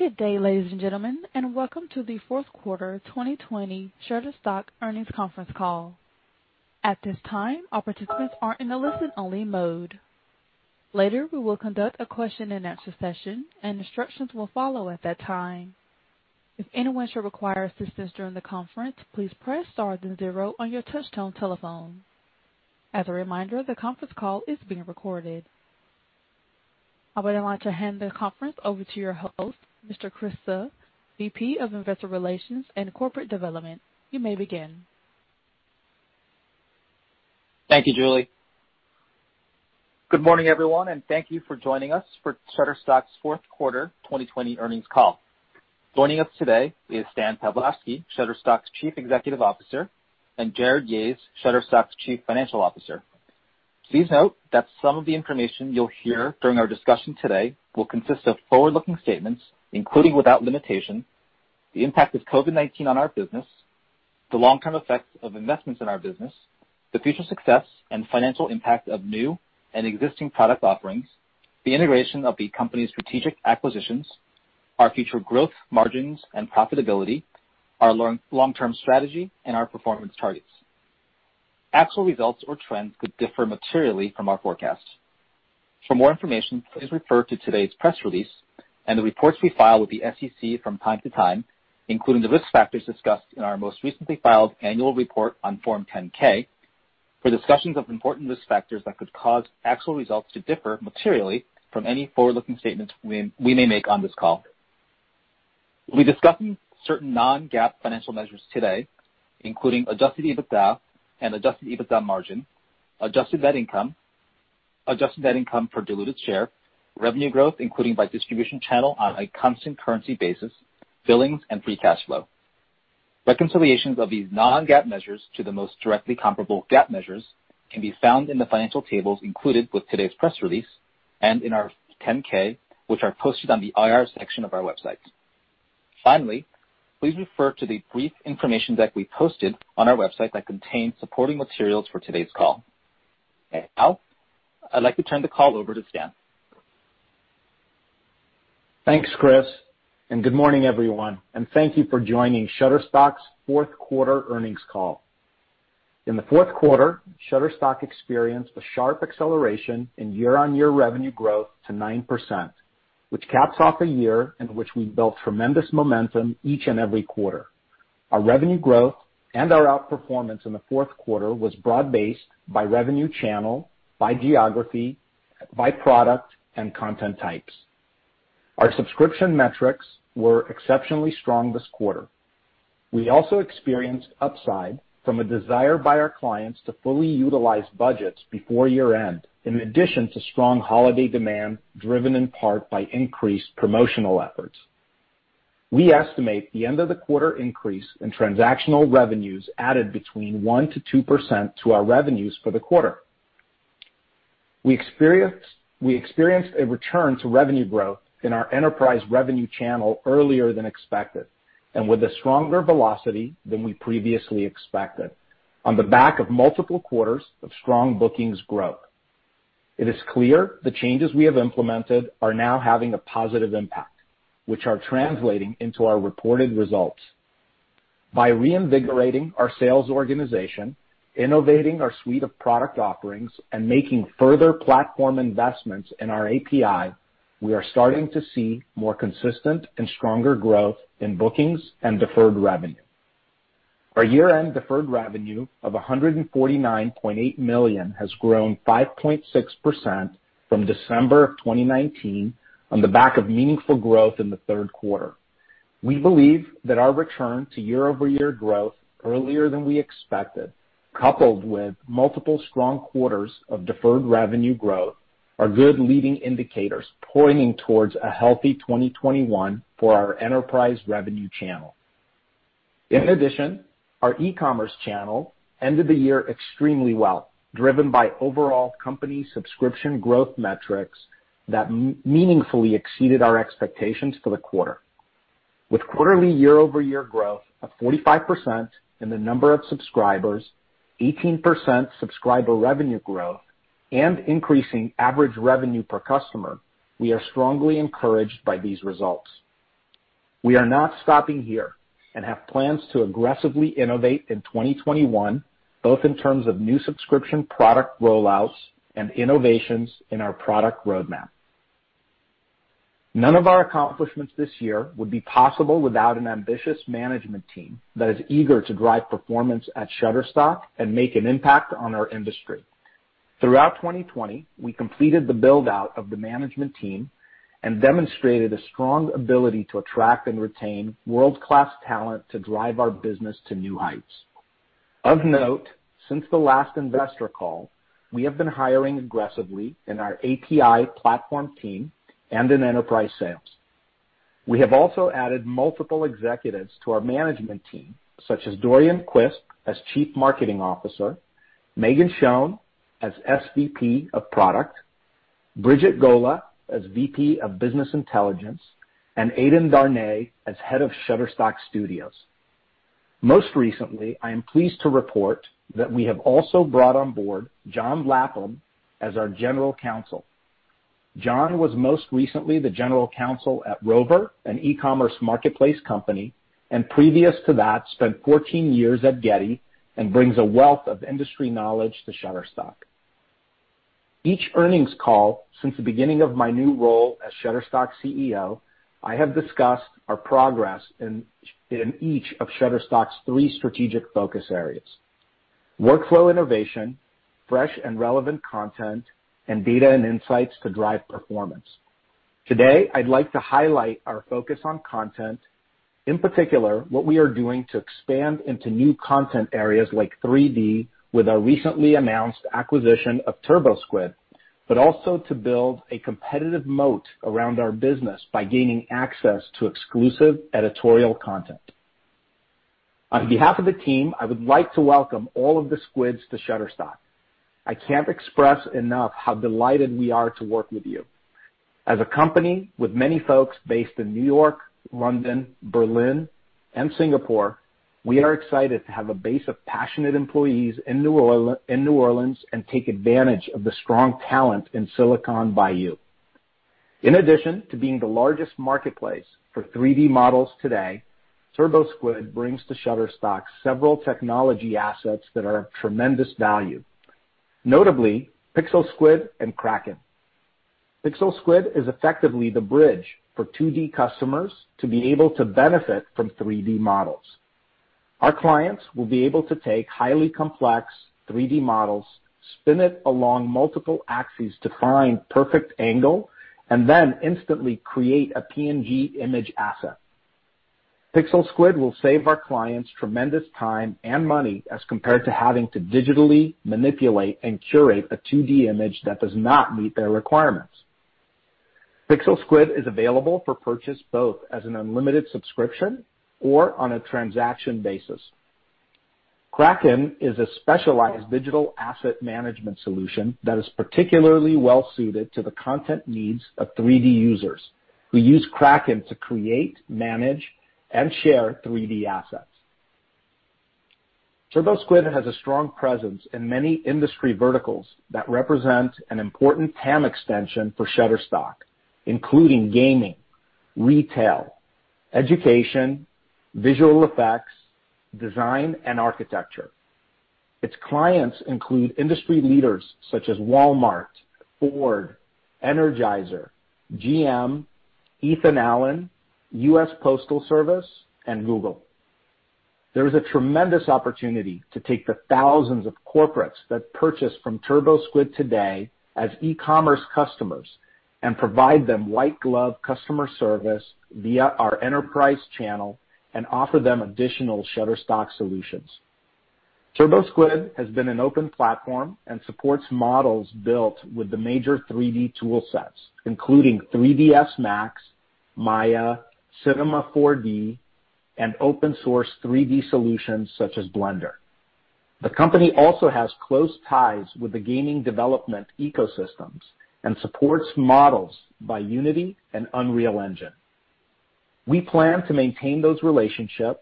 Good day, ladies and gentlemen, and welcome to the Fourth Quarter 2020 Shutterstock Earnings Conference Call. At this time, all participants are in a listen-only mode. Later we will conduct a question-and-answer session, and instructions will follow at that time. If anyone should require assistance during the conference, please press star then zero on your touch tone telephone. As a reminder, the conference call is being recorded. I would like to hand the conference over to your host, Mr. Chris Suh, VP of Investor Relations and Corporate Development. You may begin. Thank you, Julie. Good morning, everyone, and thank you for joining us for Shutterstock's Fourth Quarter 2020 Earnings Call. Joining us today is Stan Pavlovsky, Shutterstock's Chief Executive Officer, and Jarrod Yahes, Shutterstock's Chief Financial Officer. Please note that some of the information you'll hear during our discussion today will consist of forward-looking statements, including, without limitation, the impact of COVID-19 on our business, the long-term effects of investments in our business, the future success and financial impact of new and existing product offerings, the integration of the company's strategic acquisitions, our future growth margins and profitability, our long-term strategy, and our performance targets. Actual results or trends could differ materially from our forecasts. For more information, please refer to today's press release and the reports we file with the SEC from time to time, including the risk factors discussed in our most recently filed annual report on Form 10-K, for discussions of important risk factors that could cause actual results to differ materially from any forward-looking statements we may make on this call. We'll be discussing certain non-GAAP financial measures today, including adjusted EBITDA and adjusted EBITDA margin, adjusted net income, adjusted net income per diluted share, revenue growth including by distribution channel on a constant currency basis, billings, and free cash flow. Reconciliations of these non-GAAP measures to the most directly comparable GAAP measures can be found in the financial tables included with today's press release and in our 10-K, which are posted on the IR section of our website. Finally, please refer to the brief information that we posted on our website that contains supporting materials for today's call. Now, I'd like to turn the call over to Stan. Thanks, Chris, and good morning, everyone, and thank you for joining Shutterstock's Fourth Quarter Earnings Call. In the fourth quarter, Shutterstock experienced a sharp acceleration in year-on-year revenue growth to 9%, which caps off a year in which we built tremendous momentum each and every quarter. Our revenue growth and our outperformance in the fourth quarter was broad-based by revenue channel, by geography, by product, and content types. Our subscription metrics were exceptionally strong this quarter. We also experienced upside from a desire by our clients to fully utilize budgets before year-end, in addition to strong holiday demand, driven in part by increased promotional efforts. We estimate the end of the quarter increase in transactional revenues added between 1%-2% to our revenues for the quarter. We experienced a return to revenue growth in our enterprise revenue channel earlier than expected, and with a stronger velocity than we previously expected, on the back of multiple quarters of strong bookings growth. It is clear the changes we have implemented are now having a positive impact, which are translating into our reported results. By reinvigorating our sales organization, innovating our suite of product offerings, and making further platform investments in our API, we are starting to see more consistent and stronger growth in bookings and deferred revenue. Our year-end deferred revenue of $149.8 million has grown 5.6% from December of 2019 on the back of meaningful growth in the third quarter. We believe that our return to year-over-year growth earlier than we expected, coupled with multiple strong quarters of deferred revenue growth, are good leading indicators pointing towards a healthy 2021 for our enterprise revenue channel. In addition, our e-commerce channel ended the year extremely well, driven by overall company subscription growth metrics that meaningfully exceeded our expectations for the quarter. With quarterly year-over-year growth of 45% in the number of subscribers, 18% subscriber revenue growth, and increasing average revenue per customer, we are strongly encouraged by these results. We are not stopping here and have plans to aggressively innovate in 2021, both in terms of new subscription product rollouts and innovations in our product roadmap. None of our accomplishments this year would be possible without an ambitious management team that is eager to drive performance at Shutterstock and make an impact on our industry. Throughout 2020, we completed the build-out of the management team and demonstrated a strong ability to attract and retain world-class talent to drive our business to new heights. Of note, since the last investor call, we have been hiring aggressively in our API platform team and in enterprise sales. We have also added multiple executives to our management team, such as Dorian Quispe as Chief Marketing Officer, Meghan Schoen as SVP of Product, Bridget Gola as VP of Business Intelligence, and Aiden Darné as Head of Shutterstock Studios. Most recently, I am pleased to report that we have also brought on board John Lapham as our General Counsel. John was most recently the General Counsel at Rover, an e-commerce marketplace company, and previous to that, spent 14 years at Getty and brings a wealth of industry knowledge to Shutterstock. Each earnings call since the beginning of my new role as Shutterstock CEO, I have discussed our progress in each of Shutterstock's three strategic focus areas, workflow innovation, fresh and relevant content, and data and insights to drive performance. Today, I'd like to highlight our focus on content, in particular, what we are doing to expand into new content areas like 3D with our recently announced acquisition of TurboSquid, but also to build a competitive moat around our business by gaining access to exclusive editorial content. On behalf of the team, I would like to welcome all of the Squids to Shutterstock. I can't express enough how delighted we are to work with you. As a company with many folks based in New York, London, Berlin, and Singapore, we are excited to have a base of passionate employees in New Orleans and take advantage of the strong talent in Silicon Bayou. In addition to being the largest marketplace for 3D models today, TurboSquid brings to Shutterstock several technology assets that are of tremendous value, notably PixelSquid and Kraken. PixelSquid is effectively the bridge for 2D customers to be able to benefit from 3D models. Our clients will be able to take highly complex 3D models, spin it along multiple axes to find perfect angle, and then instantly create a PNG image asset. PixelSquid will save our clients tremendous time and money as compared to having to digitally manipulate and curate a 2D image that does not meet their requirements. PixelSquid is available for purchase both as an unlimited subscription or on a transaction basis. Kraken is a specialized digital asset management solution that is particularly well suited to the content needs of 3D users who use Kraken to create, manage, and share 3D assets. TurboSquid has a strong presence in many industry verticals that represent an important TAM extension for Shutterstock, including gaming, retail, education, visual effects, design, and architecture. Its clients include industry leaders such as Walmart, Ford, Energizer, GM, Ethan Allen, U.S. Postal Service, and Google. There is a tremendous opportunity to take the thousands of corporates that purchase from TurboSquid today as e-commerce customers and provide them white glove customer service via our enterprise channel and offer them additional Shutterstock solutions. TurboSquid has been an open platform and supports models built with the major 3D tool sets, including 3ds Max, Maya, Cinema 4D, and open source 3D solutions such as Blender. The company also has close ties with the gaming development ecosystems and supports models by Unity and Unreal Engine. We plan to maintain those relationships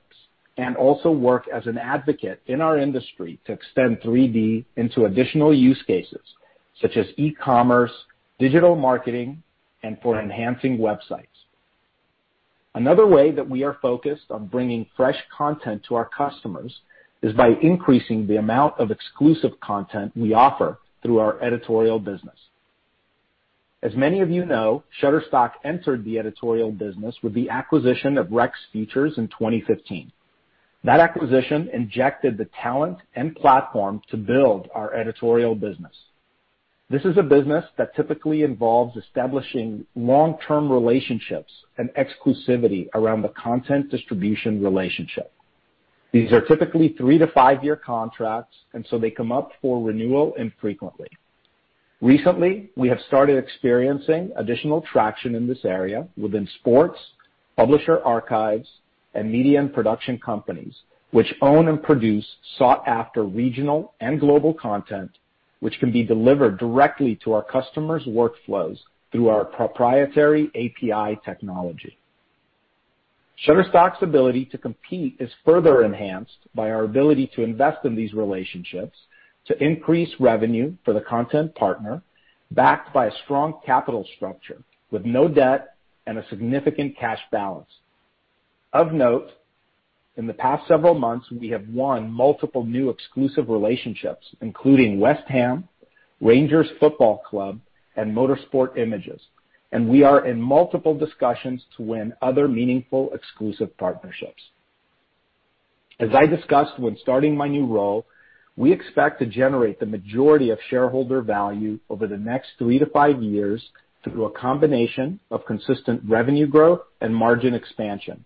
and also work as an advocate in our industry to extend 3D into additional use cases such as e-commerce, digital marketing, and for enhancing websites. Another way that we are focused on bringing fresh content to our customers is by increasing the amount of exclusive content we offer through our editorial business. As many of you know, Shutterstock entered the editorial business with the acquisition of Rex Features in 2015. That acquisition injected the talent and platform to build our editorial business. This is a business that typically involves establishing long-term relationships and exclusivity around the content distribution relationship. These are typically three to five-year contracts, and so they come up for renewal infrequently. Recently, we have started experiencing additional traction in this area within sports, publisher archives, and media and production companies which own and produce sought-after regional and global content, which can be delivered directly to our customers' workflows through our proprietary API technology. Shutterstock's ability to compete is further enhanced by our ability to invest in these relationships to increase revenue for the content partner, backed by a strong capital structure with no debt and a significant cash balance. Of note, in the past several months, we have won multiple new exclusive relationships, including West Ham, Rangers Football Club, and Motorsport Images. We are in multiple discussions to win other meaningful exclusive partnerships. As I discussed when starting my new role, we expect to generate the majority of shareholder value over the next three to five years through a combination of consistent revenue growth and margin expansion.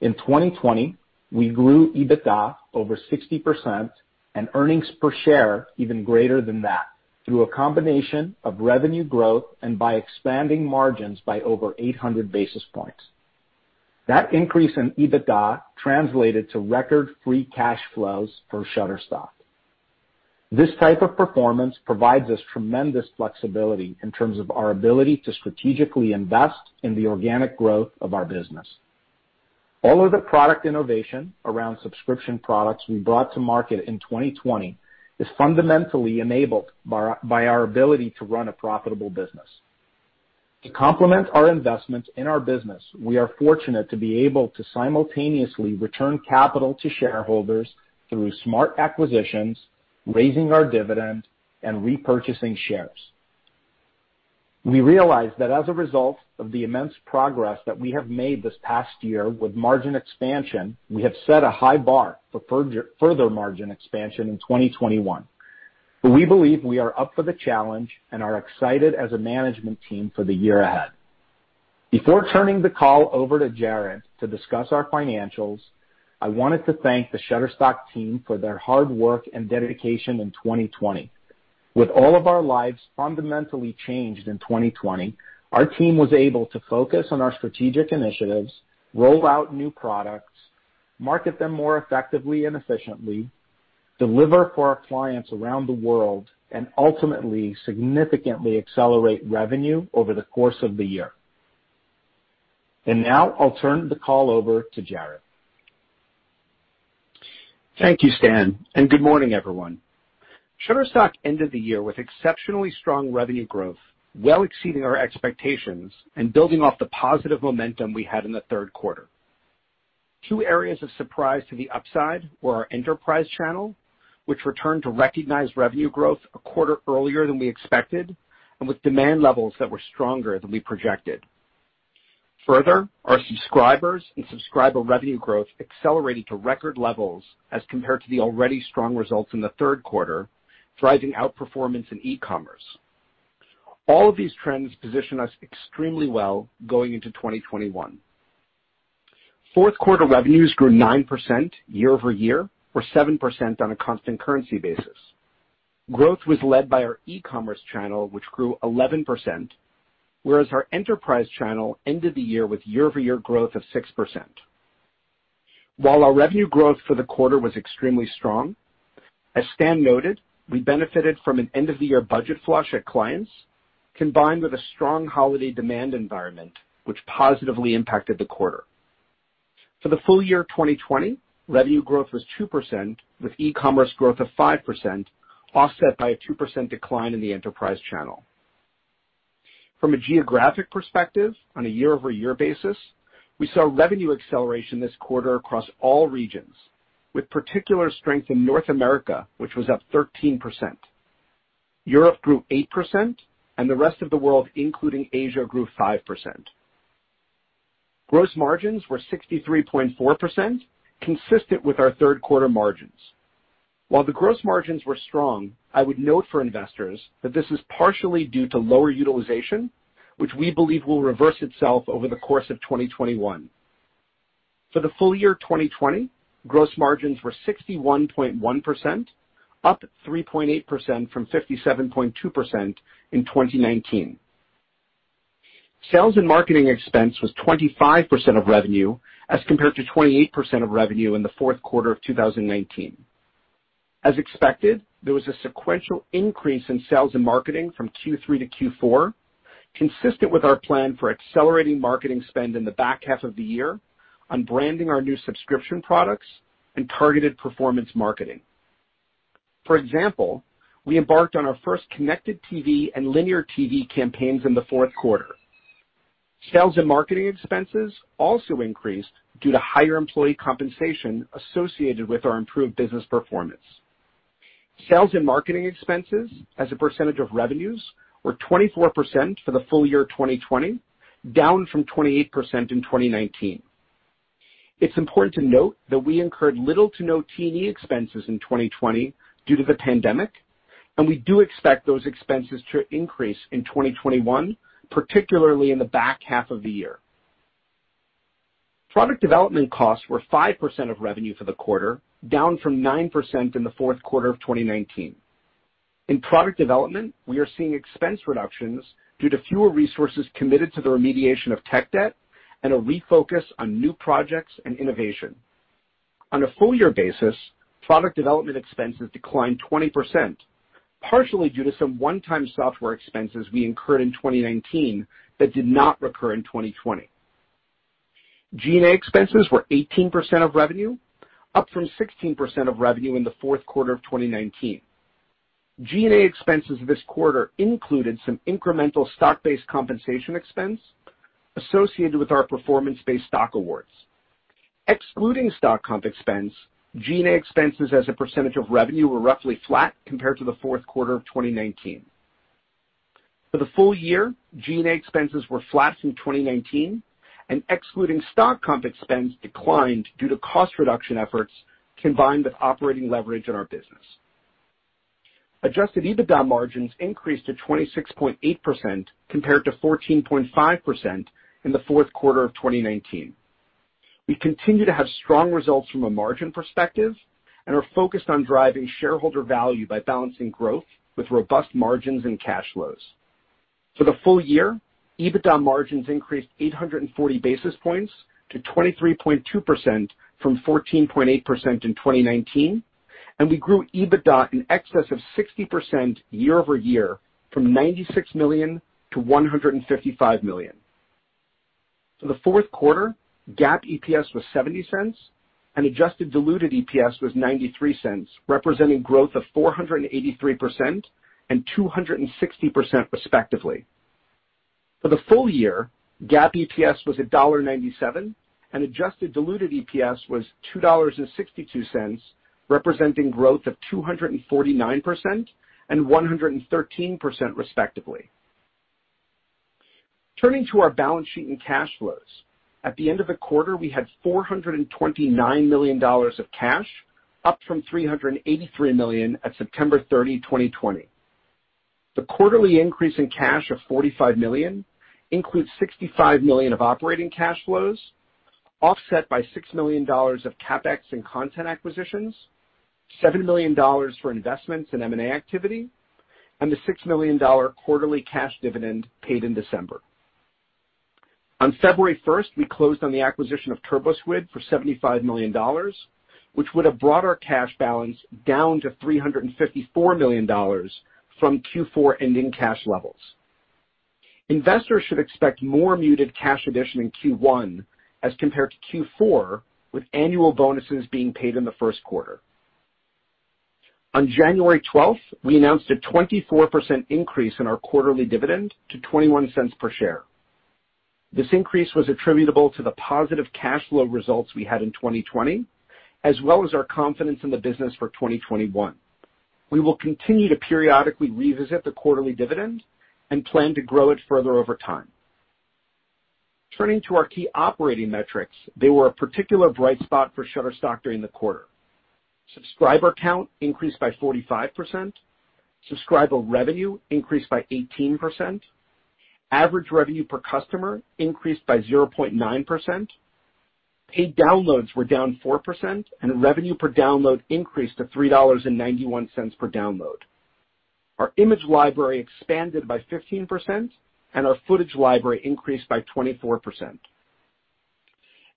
In 2020, we grew EBITDA over 60% and earnings per share even greater than that through a combination of revenue growth and by expanding margins by over 800 basis points. That increase in EBITDA translated to record free cash flows for Shutterstock. This type of performance provides us tremendous flexibility in terms of our ability to strategically invest in the organic growth of our business. All of the product innovation around subscription products we brought to market in 2020 is fundamentally enabled by our ability to run a profitable business. To complement our investments in our business, we are fortunate to be able to simultaneously return capital to shareholders through smart acquisitions, raising our dividend, and repurchasing shares. We realize that as a result of the immense progress that we have made this past year with margin expansion, we have set a high bar for further margin expansion in 2021. We believe we are up for the challenge and are excited as a management team for the year ahead. Before turning the call over to Jarrod to discuss our financials, I wanted to thank the Shutterstock team for their hard work and dedication in 2020. With all of our lives fundamentally changed in 2020, our team was able to focus on our strategic initiatives, roll out new products, market them more effectively and efficiently, deliver for our clients around the world, and ultimately significantly accelerate revenue over the course of the year. Now I'll turn the call over to Jarrod. Thank you, Stan. Good morning, everyone. Shutterstock ended the year with exceptionally strong revenue growth, well exceeding our expectations and building off the positive momentum we had in the third quarter. Two areas of surprise to the upside were our enterprise channel, which returned to recognized revenue growth a quarter earlier than we expected and with demand levels that were stronger than we projected. Our subscribers and subscriber revenue growth accelerated to record levels as compared to the already strong results in the third quarter, driving outperformance in e-commerce. All of these trends position us extremely well going into 2021. Fourth quarter revenues grew 9% year-over-year or 7% on a constant currency basis. Growth was led by our e-commerce channel, which grew 11%, whereas our enterprise channel ended the year with year-over-year growth of 6%. While our revenue growth for the quarter was extremely strong, as Stan noted, we benefited from an end of the year budget flush at clients, combined with a strong holiday demand environment, which positively impacted the quarter. For the full year 2020, revenue growth was 2%, with e-commerce growth of 5%, offset by a 2% decline in the enterprise channel. From a geographic perspective, on a year-over-year basis, we saw revenue acceleration this quarter across all regions, with particular strength in North America, which was up 13%. Europe grew 8%, and the rest of the world, including Asia, grew 5%. Gross margins were 63.4%, consistent with our third quarter margins. While the gross margins were strong, I would note for investors that this is partially due to lower utilization, which we believe will reverse itself over the course of 2021. For the full year 2020, gross margins were 61.1%, up 3.8% from 57.2% in 2019. Sales and marketing expense was 25% of revenue as compared to 28% of revenue in the fourth quarter of 2019. As expected, there was a sequential increase in sales and marketing from Q3 to Q4, consistent with our plan for accelerating marketing spend in the back half of the year on branding our new subscription products and targeted performance marketing. For example, we embarked on our first connected TV and linear TV campaigns in the fourth quarter. Sales and marketing expenses also increased due to higher employee compensation associated with our improved business performance. Sales and marketing expenses as a percentage of revenues were 24% for the full year 2020, down from 28% in 2019. It's important to note that we incurred little to no T&E expenses in 2020 due to the pandemic, and we do expect those expenses to increase in 2021, particularly in the back half of the year. Product development costs were 5% of revenue for the quarter, down from 9% in the fourth quarter of 2019. In product development, we are seeing expense reductions due to fewer resources committed to the remediation of tech debt and a refocus on new projects and innovation. On a full year basis, product development expenses declined 20%, partially due to some one-time software expenses we incurred in 2019 that did not recur in 2020. G&A expenses were 18% of revenue, up from 16% of revenue in the fourth quarter of 2019. G&A expenses this quarter included some incremental stock-based compensation expense associated with our performance-based stock awards. Excluding stock comp expense, G&A expenses as a percentage of revenue were roughly flat compared to the fourth quarter of 2019. For the full year, G&A expenses were flat from 2019 and excluding stock comp expense declined due to cost reduction efforts combined with operating leverage in our business. Adjusted EBITDA margins increased to 26.8% compared to 14.5% in the fourth quarter of 2019. We continue to have strong results from a margin perspective and are focused on driving shareholder value by balancing growth with robust margins and cash flows. For the full year, EBITDA margins increased 840 basis points to 23.2% from 14.8% in 2019, and we grew EBITDA in excess of 60% year-over-year from $96 million to $155 million. For the fourth quarter, GAAP EPS was $0.70 and adjusted diluted EPS was $0.93, representing growth of 483% and 260% respectively. For the full year, GAAP EPS was $1.97 and adjusted diluted EPS was $2.62, representing growth of 249% and 113%, respectively. Turning to our balance sheet and cash flows. At the end of the quarter, we had $429 million of cash, up from $383 million at September 30, 2020. The quarterly increase in cash of $45 million includes $65 million of operating cash flows, offset by $6 million of CapEx and content acquisitions, $7 million for investments in M&A activity, the $6 million quarterly cash dividend paid in December. On February 1st, we closed on the acquisition of TurboSquid for $75 million, which would have brought our cash balance down to $354 million from Q4 ending cash levels. Investors should expect more muted cash addition in Q1 as compared to Q4, with annual bonuses being paid in the first quarter. On January 12th, we announced a 24% increase in our quarterly dividend to $0.21 per share. This increase was attributable to the positive cash flow results we had in 2020, as well as our confidence in the business for 2021. We will continue to periodically revisit the quarterly dividend and plan to grow it further over time. Turning to our key operating metrics, they were a particular bright spot for Shutterstock during the quarter. Subscriber count increased by 45%. Subscriber revenue increased by 18%. Average revenue per customer increased by 0.9%. Paid downloads were down 4%, and revenue per download increased to $3.91 per download. Our image library expanded by 15%, and our footage library increased by 24%.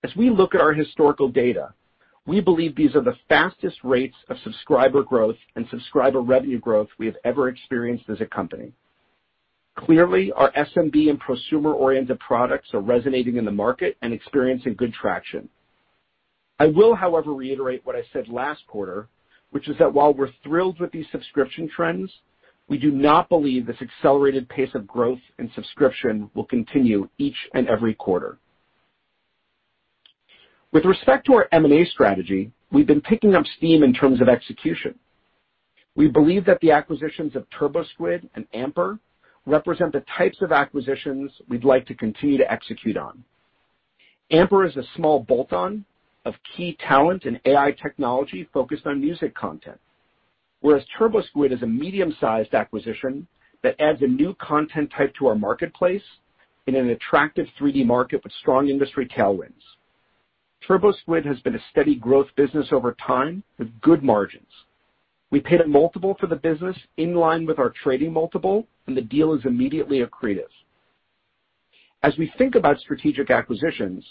As we look at our historical data, we believe these are the fastest rates of subscriber growth and subscriber revenue growth we have ever experienced as a company. Clearly, our SMB and prosumer-oriented products are resonating in the market and experiencing good traction. I will, however, reiterate what I said last quarter, which is that while we're thrilled with these subscription trends, we do not believe this accelerated pace of growth in subscription will continue each and every quarter. With respect to our M&A strategy, we've been picking up steam in terms of execution. We believe that the acquisitions of TurboSquid and Amper represent the types of acquisitions we'd like to continue to execute on. Amper is a small bolt-on of key talent and AI technology focused on music content, whereas TurboSquid is a medium-sized acquisition that adds a new content type to our marketplace in an attractive 3D market with strong industry tailwinds. TurboSquid has been a steady growth business over time with good margins. We paid a multiple for the business in line with our trading multiple, and the deal is immediately accretive. As we think about strategic acquisitions,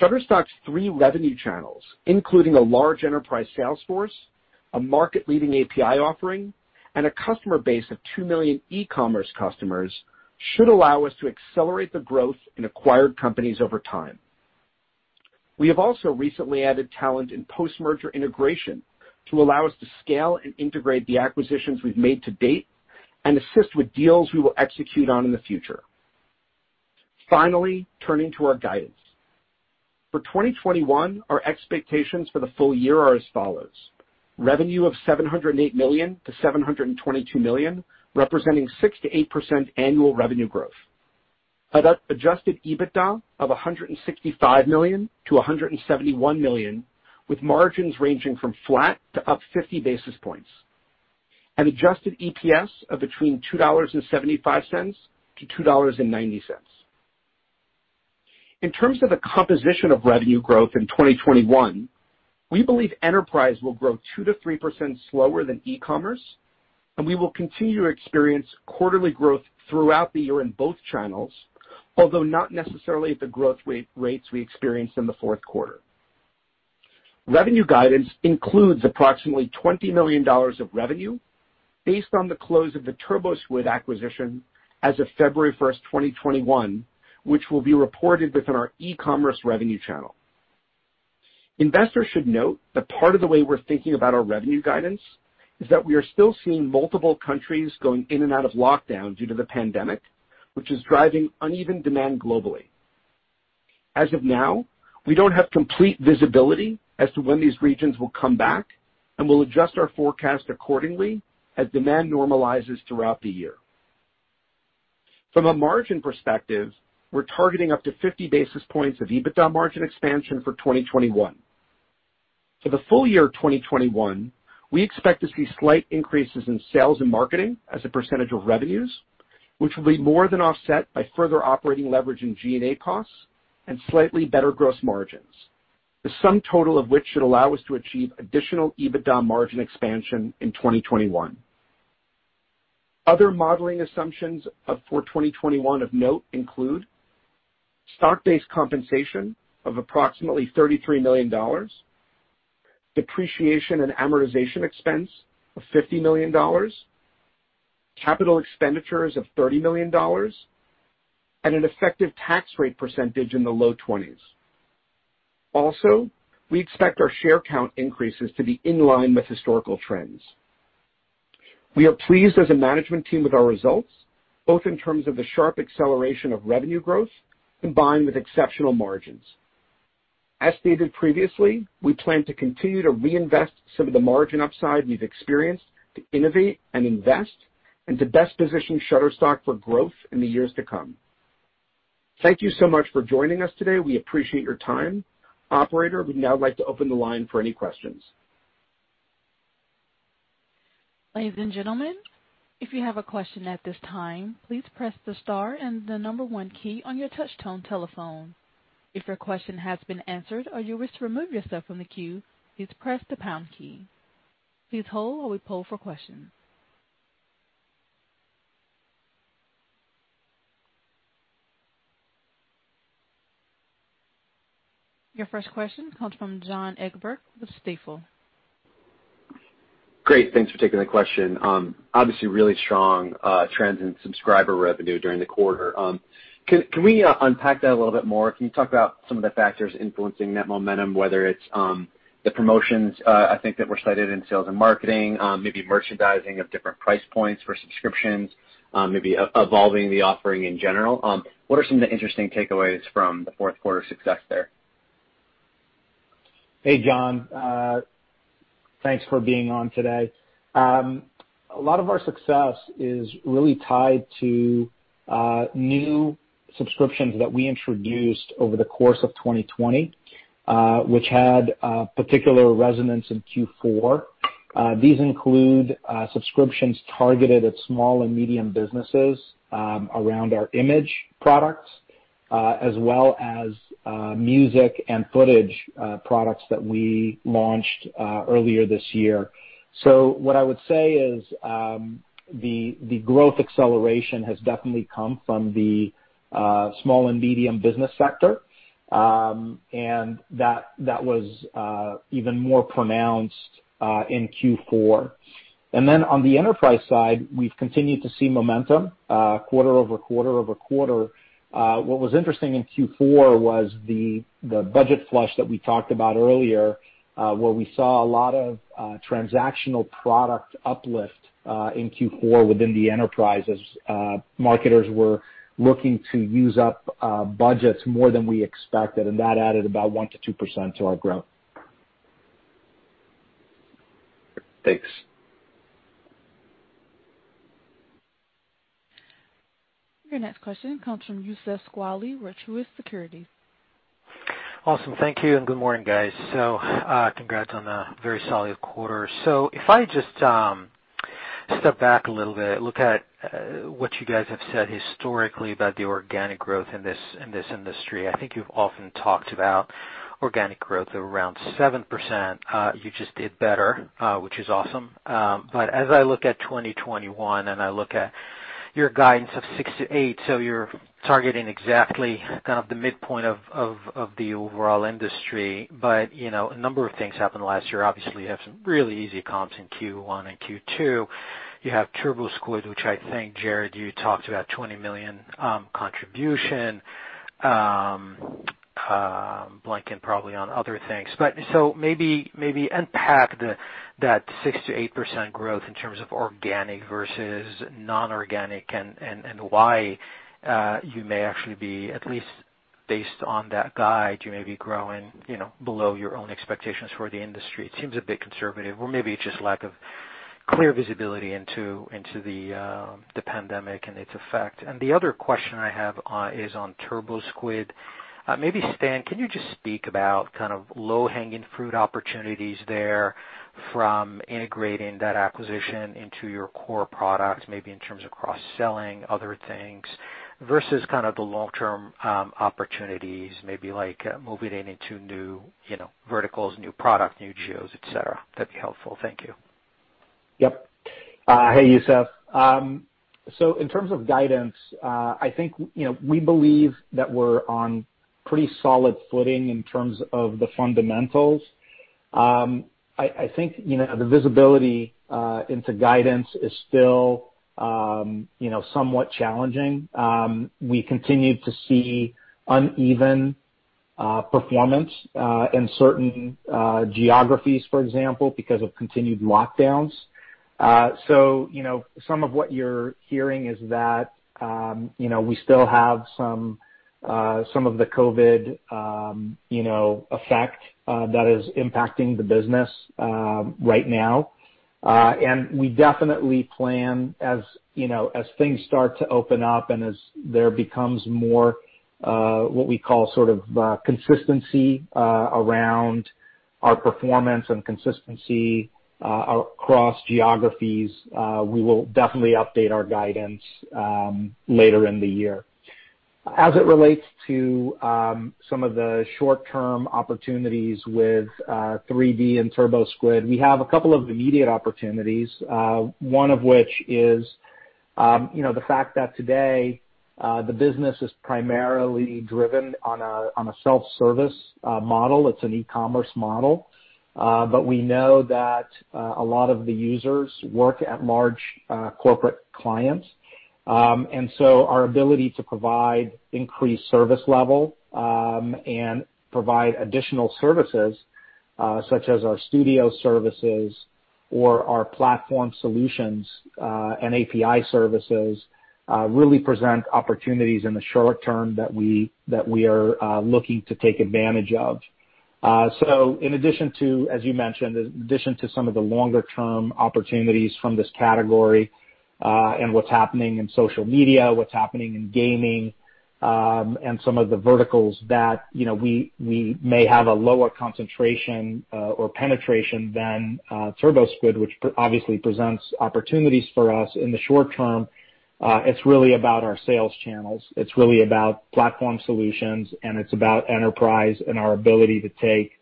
Shutterstock's three revenue channels, including a large enterprise sales force, a market-leading API offering, and a customer base of 2 million e-commerce customers, should allow us to accelerate the growth in acquired companies over time. We have also recently added talent in post-merger integration to allow us to scale and integrate the acquisitions we've made to date and assist with deals we will execute on in the future. Finally, turning to our guidance. For 2021, our expectations for the full year are as follows. Revenue of $708 million-$722 million, representing 6%-8% annual revenue growth. Adjusted EBITDA of $165 million to $171 million, with margins ranging from flat to up 50 basis points. An adjusted EPS of between $2.75-$2.90. In terms of the composition of revenue growth in 2021, we believe enterprise will grow 2%-3% slower than e-commerce, and we will continue to experience quarterly growth throughout the year in both channels, although not necessarily at the growth rates we experienced in the fourth quarter. Revenue guidance includes approximately $20 million of revenue based on the close of the TurboSquid acquisition as of February 1st, 2021, which will be reported within our e-commerce revenue channel. Investors should note that part of the way we're thinking about our revenue guidance is that we are still seeing multiple countries going in and out of lockdown due to the pandemic, which is driving uneven demand globally. As of now, we don't have complete visibility as to when these regions will come back, and we'll adjust our forecast accordingly as demand normalizes throughout the year. From a margin perspective, we're targeting up to 50 basis points of EBITDA margin expansion for 2021. For the full year of 2021, we expect to see slight increases in sales and marketing as a percentage of revenues, which will be more than offset by further operating leverage in G&A costs and slightly better gross margins. The sum total of which should allow us to achieve additional EBITDA margin expansion in 2021. Other modeling assumptions for 2021 of note include stock-based compensation of approximately $33 million, depreciation and amortization expense of $50 million, capital expenditures of $30 million, and an effective tax rate percentage in the low 20s. Also, we expect our share count increases to be in line with historical trends. We are pleased as a management team with our results, both in terms of the sharp acceleration of revenue growth combined with exceptional margins. As stated previously, we plan to continue to reinvest some of the margin upside we've experienced to innovate and invest and to best position Shutterstock for growth in the years to come. Thank you so much for joining us today. We appreciate your time. Operator, we'd now like to open the line for any questions. Ladies and gentlemen, if you have a question at this time, please press the star and the number one key on your touch tone telephone. If your question has been answered or you wish to remove yourself from the queue, please press the pound key. Please hold while we poll for questions. Your first question comes from John Egbert with Stifel. Great. Thanks for taking the question. Obviously, really strong trends in subscriber revenue during the quarter. Can we unpack that a little bit more? Can you talk about some of the factors influencing that momentum, whether it's the promotions, I think that were cited in sales and marketing, maybe merchandising of different price points for subscriptions, maybe evolving the offering in general? What are some of the interesting takeaways from the fourth quarter success there? Hey, John. Thanks for being on today. A lot of our success is really tied to new subscriptions that we introduced over the course of 2020, which had a particular resonance in Q4. These include subscriptions targeted at small and medium businesses around our image products, as well as music and footage products that we launched earlier this year. What I would say is the growth acceleration has definitely come from the small and medium business sector, and that was even more pronounced in Q4. On the enterprise side, we've continued to see momentum quarter-over-quarter. What was interesting in Q4 was the budget flush that we talked about earlier, where we saw a lot of transactional product uplift in Q4 within the enterprise as marketers were looking to use up budgets more than we expected, and that added about 1%-2% to our growth. Thanks. Your next question comes from Youssef Squali, Truist Securities. Awesome. Thank you, and good morning, guys. Congrats on a very solid quarter. If I just step back a little bit, look at what you guys have said historically about the organic growth in this industry. I think you've often talked about organic growth of around 7%. You just did better, which is awesome. As I look at 2021 and I look at your guidance of 6%-8%, so you're targeting exactly kind of the midpoint of the overall industry. A number of things happened last year. Obviously, you have some really easy comps in Q1 and Q2. You have TurboSquid, which I think, Jarrod, you talked about $20 million contribution, blanking probably on other things. Maybe unpack that 6%-8% growth in terms of organic versus non-organic, and why you may actually be, at least based on that guide, you may be growing below your own expectations for the industry. It seems a bit conservative, or maybe it's just lack of clear visibility into the pandemic and its effect. The other question I have is on TurboSquid. Maybe Stan, can you just speak about low-hanging fruit opportunities there from integrating that acquisition into your core product, maybe in terms of cross-selling other things versus the long-term opportunities, maybe like moving into new verticals, new product, new geos, et cetera. That'd be helpful. Thank you. Yep. Hey, Youssef. In terms of guidance, I think we believe that we're on pretty solid footing in terms of the fundamentals. I think the visibility into guidance is still somewhat challenging. We continue to see uneven performance in certain geographies, for example, because of continued lockdowns. Some of what you're hearing is that we still have some of the COVID effect that is impacting the business right now. We definitely plan as things start to open up and as there becomes more, what we call sort of consistency around Our performance and consistency across geographies, we will definitely update our guidance later in the year. As it relates to some of the short-term opportunities with 3D and TurboSquid, we have a couple of immediate opportunities. One of which is the fact that today the business is primarily driven on a self-service model. It's an e-commerce model. We know that a lot of the users work at large corporate clients. Our ability to provide increased service level and provide additional services, such as our studio services or our platform solutions and API services, really present opportunities in the short term that we are looking to take advantage of. In addition to, as you mentioned, in addition to some of the longer-term opportunities from this category, and what's happening in social media, what's happening in gaming, and some of the verticals that we may have a lower concentration or penetration than TurboSquid, which obviously presents opportunities for us in the short term. It's really about our sales channels. It's really about platform solutions, and it's about enterprise and our ability to take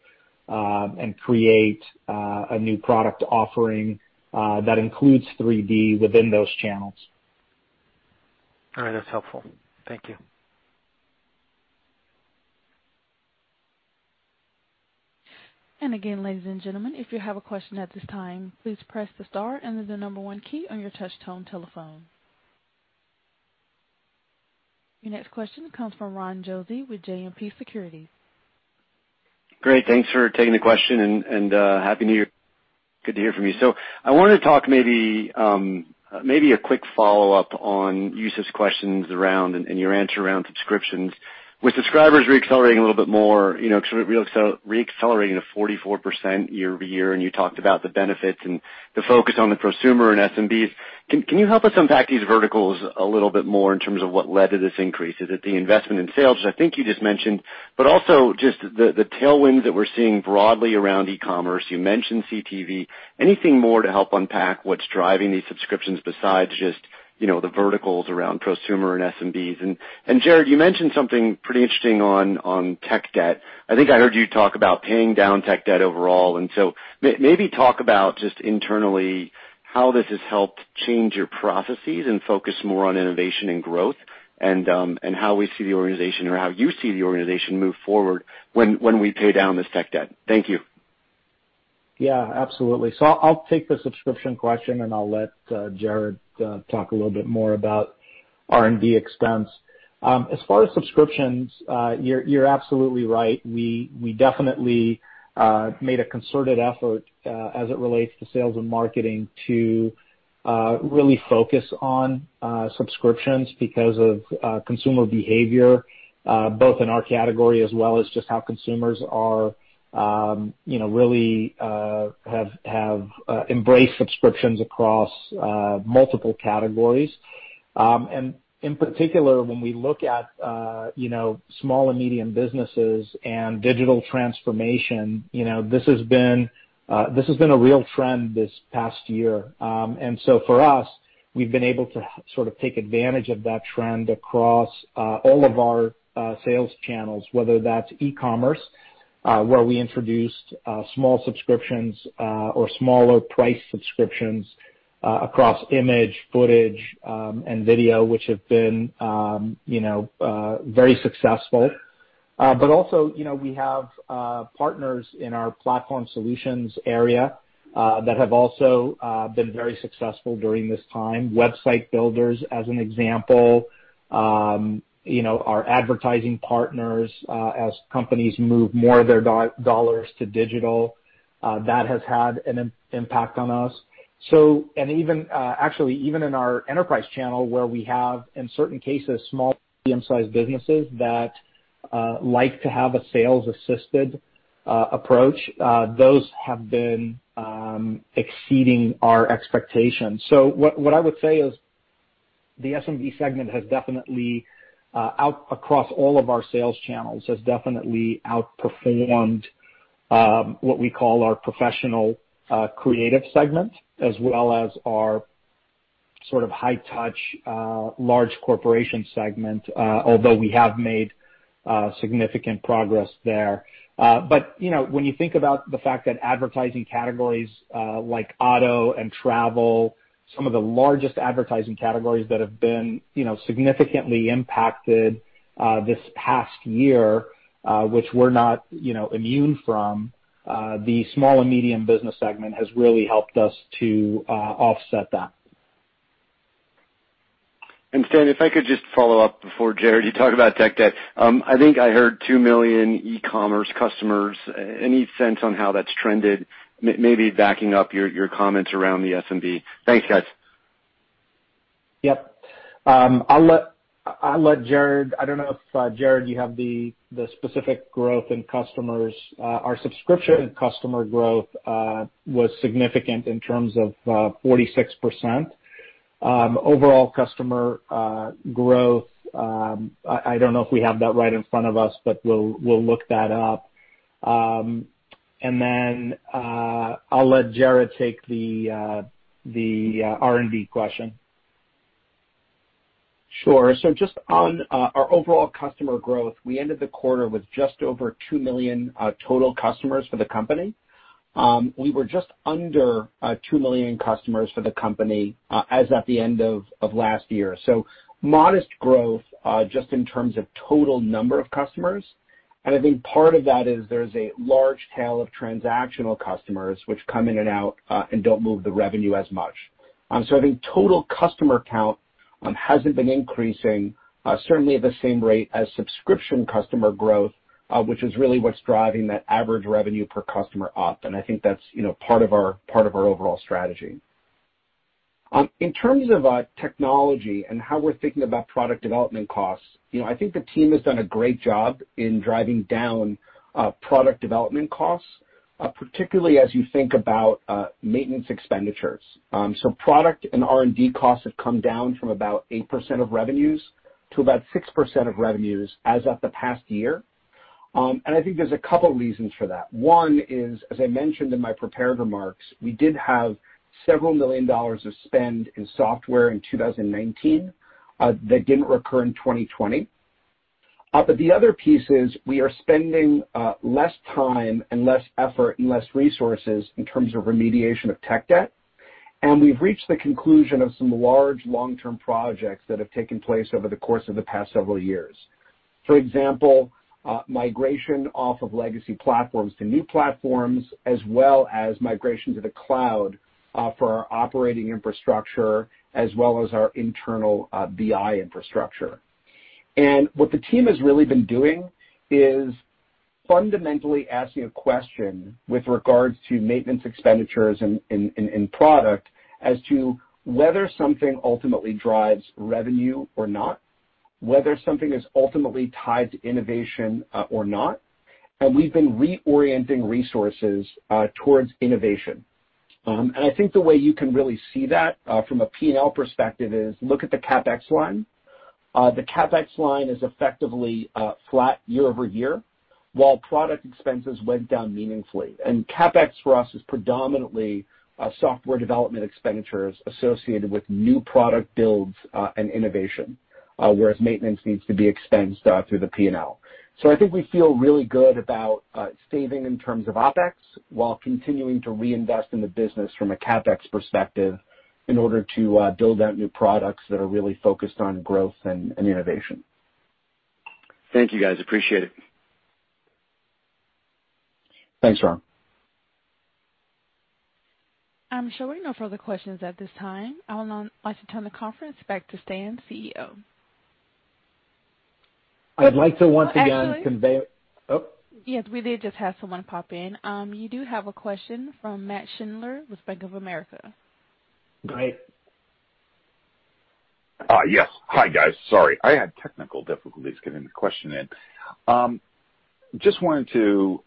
and create a new product offering that includes 3D within those channels. All right. That's helpful. Thank you. Again, ladies and gentleman, if you have a question at this time, please press the star and the number one key on your touch tone telephone. Your next question comes from Ron Josey with JMP Securities. Great. Thanks for taking the question and Happy New Year. Good to hear from you. I wanted to talk maybe a quick follow-up on Youssef's questions around, and your answer around subscriptions. With subscribers re-accelerating a little bit more, re-accelerating to 44% year-over-year, you talked about the benefits and the focus on the prosumer and SMBs, can you help us unpack these verticals a little bit more in terms of what led to this increase? Is it the investment in sales? Because I think you just mentioned, also just the tailwinds that we're seeing broadly around e-commerce, you mentioned CTV. Anything more to help unpack what's driving these subscriptions besides just the verticals around prosumer and SMBs? Jarrod, you mentioned something pretty interesting on tech debt. I think I heard you talk about paying down tech debt overall, and so maybe talk about just internally how this has helped change your processes and focus more on innovation and growth, and how we see the organization or how you see the organization move forward when we pay down this tech debt. Thank you. Yeah, absolutely. I'll take the subscription question, and I'll let Jarrod talk a little bit more about R&D expense. As far as subscriptions, you're absolutely right. We definitely made a concerted effort, as it relates to sales and marketing to really focus on subscriptions because of consumer behavior, both in our category as well as just how consumers really have embraced subscriptions across multiple categories. In particular, when we look at small and medium businesses and digital transformation, this has been a real trend this past year. For us, we've been able to sort of take advantage of that trend across all of our sales channels, whether that's e-commerce, where we introduced small subscriptions, or smaller price subscriptions across image, footage, and video, which have been very successful. Also, we have partners in our platform solutions area, that have also been very successful during this time. Website builders, as an example, our advertising partners, as companies move more of their dollars to digital, that has had an impact on us. Actually, even in our enterprise channel, where we have, in certain cases, small, medium-sized businesses that like to have a sales assisted approach. Those have been exceeding our expectations. What I would say is the SMB segment has definitely, across all of our sales channels, has definitely outperformed what we call our professional creative segment, as well as our sort of high touch large corporation segment. We have made significant progress there. When you think about the fact that advertising categories like auto and travel, some of the largest advertising categories that have been significantly impacted this past year, which we're not immune from, the small and medium business segment has really helped us to offset that. Stan, if I could just follow up before Jarrod, you talk about tech debt. I think I heard 2 million e-commerce customers. Any sense on how that's trended? Maybe backing up your comments around the SMB. Thanks, guys. Yep. I don't know if, Jarrod, you have the specific growth in customers. Our subscription customer growth was significant in terms of 46%. Overall customer growth, I don't know if we have that right in front of us, but we'll look that up. Then I'll let Jarrod take the R&D question. Just on our overall customer growth, we ended the quarter with just over 2 million total customers for the company. We were just under 2 million customers for the company as at the end of last year. Modest growth, just in terms of total number of customers. I think part of that is there's a large tail of transactional customers which come in and out, and don't move the revenue as much. I think total customer count hasn't been increasing certainly at the same rate as subscription customer growth, which is really what's driving that average revenue per customer up. I think that's part of our overall strategy. In terms of technology and how we're thinking about product development costs, I think the team has done a great job in driving down product development costs, particularly as you think about maintenance expenditures. Product and R&D costs have come down from about 8% of revenues to about 6% of revenues as of the past year. I think there's a couple reasons for that. One is, as I mentioned in my prepared remarks, we did have several million dollars of spend in software in 2019, that didn't recur in 2020. The other piece is we are spending less time and less effort and less resources in terms of remediation of tech debt. We've reached the conclusion of some large long-term projects that have taken place over the course of the past several years. For example, migration off of legacy platforms to new platforms, as well as migration to the cloud for our operating infrastructure, as well as our internal BI infrastructure. What the team has really been doing is fundamentally asking a question with regards to maintenance expenditures in product as to whether something ultimately drives revenue or not, whether something is ultimately tied to innovation or not. We've been reorienting resources towards innovation. I think the way you can really see that from a P&L perspective is look at the CapEx line. The CapEx line is effectively flat year-over-year, while product expenses went down meaningfully. CapEx for us is predominantly software development expenditures associated with new product builds and innovation, whereas maintenance needs to be expensed through the P&L. I think we feel really good about saving in terms of OpEx while continuing to reinvest in the business from a CapEx perspective in order to build out new products that are really focused on growth and innovation. Thank you, guys. Appreciate it. Thanks, Ron. I'm showing no further questions at this time. I'd like to turn the conference back to Stan, CEO. I'd like to once again convey. Actually. Oh. Yes, we did just have someone pop in. You do have a question from Nat Schindler with Bank of America. Great. Yes. Hi, guys. Sorry. I had technical difficulties getting the question in. Just wanted to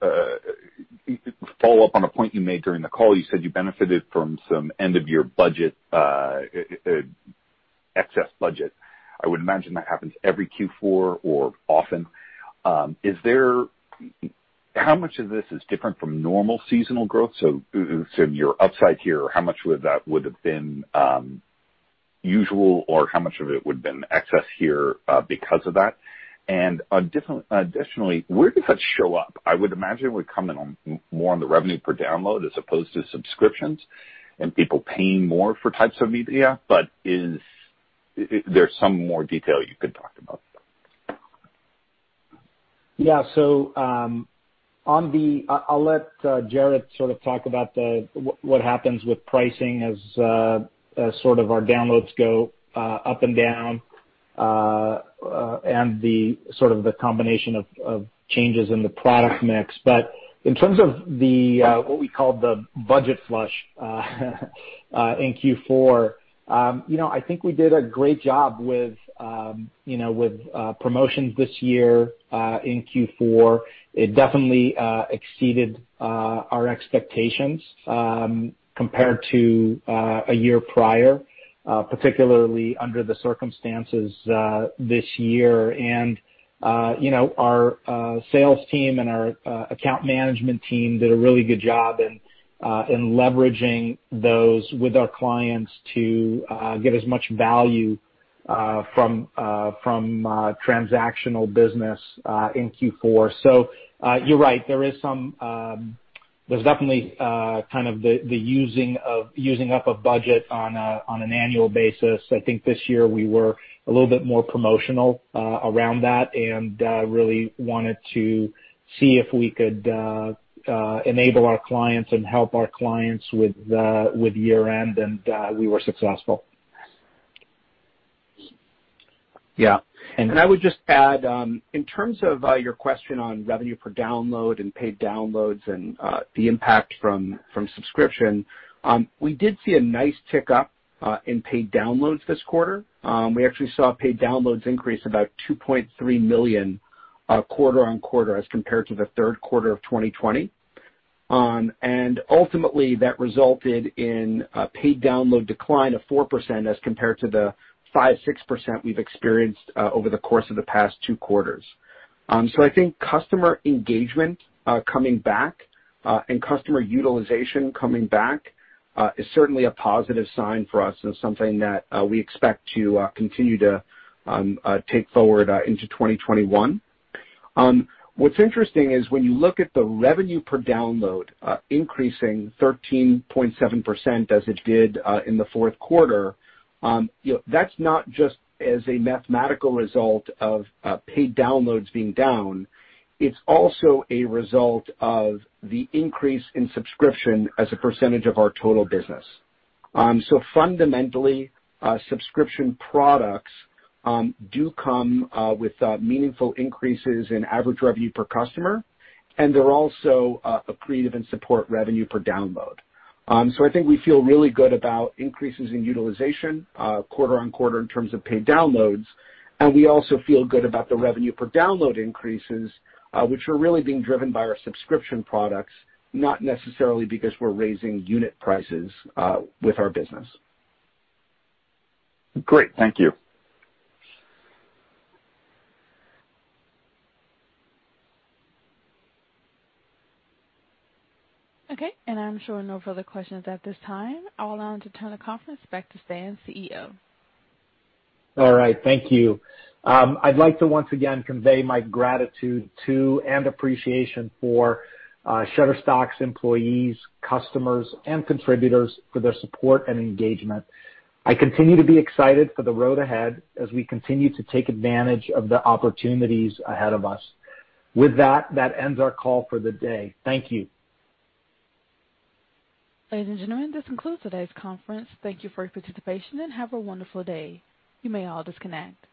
follow up on a point you made during the call. You said you benefited from some end of year excess budget. I would imagine that happens every Q4 or often. How much of this is different from normal seasonal growth? So say on your upside here, how much would that would have been usual or how much of it would've been excess here because of that? Additionally, where does that show up? I would imagine it would come in more on the revenue per download as opposed to subscriptions and people paying more for types of media. Is there some more detail you could talk about? Yeah. I'll let Jarrod sort of talk about what happens with pricing as sort of our downloads go up and down, and the sort of the combination of changes in the product mix. In terms of what we call the budget flush in Q4, I think we did a great job with promotions this year in Q4. It definitely exceeded our expectations compared to a year prior, particularly under the circumstances this year. Our sales team and our account management team did a really good job in leveraging those with our clients to get as much value from transactional business in Q4. You're right. There's definitely the using up of budget on an annual basis. I think this year we were a little bit more promotional around that and really wanted to see if we could enable our clients and help our clients with year-end, and we were successful. Yeah. I would just add, in terms of your question on revenue per download and paid downloads and the impact from subscription, we did see a nice tick up in paid downloads this quarter. We actually saw paid downloads increase about $2.3 million quarter-on-quarter as compared to the third quarter of 2020. Ultimately, that resulted in a paid download decline of 4% as compared to the 5%, 6% we've experienced over the course of the past two quarters. I think customer engagement coming back and customer utilization coming back is certainly a positive sign for us and something that we expect to continue to take forward into 2021. What's interesting is when you look at the revenue per download increasing 13.7% as it did in the fourth quarter, that's not just as a mathematical result of paid downloads being down. It's also a result of the increase in subscription as a percentage of our total business. Fundamentally, subscription products do come with meaningful increases in average revenue per customer, and they're also accretive in support revenue per download. I think we feel really good about increases in utilization quarter-on-quarter in terms of paid downloads, and we also feel good about the revenue per download increases, which are really being driven by our subscription products, not necessarily because we're raising unit prices with our business. Great. Thank you. Okay. I'm showing no further questions at this time. I'll now turn the conference back to Stan, CEO. All right. Thank you. I'd like to once again convey my gratitude to and appreciation for Shutterstock's employees, customers, and contributors for their support and engagement. I continue to be excited for the road ahead as we continue to take advantage of the opportunities ahead of us. With that ends our call for the day. Thank you. Ladies and gentlemen, this concludes today's conference. Thank you for your participation, and have a wonderful day. You may all disconnect.